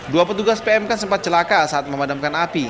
dua petugas pm kan sempat celaka saat memadamkan api